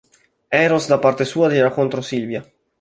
Eros da parte sua tira contro Sylvia.